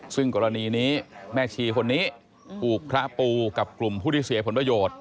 ซึ่งกรณีนี้แม่ชีคนนี้ถูกพระปูกับกลุ่มผู้ที่เสียผลประโยชน์